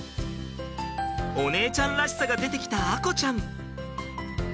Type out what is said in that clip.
お姉ちゃんらしさが出てきた亜瑚ちゃん。